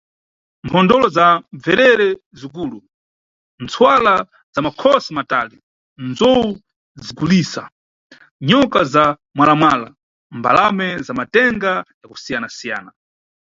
Mphondolo za mbverere zikulu, ntswala za makhosi matali, nzowu zikulisa, nyoka za mawala-mawala, mbalame za matenga yakusiyana-siyana .